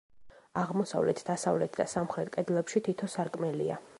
აღმოსავლეთ, დასავლეთ და სამხრეთ კედლებში თითო სარკმელია.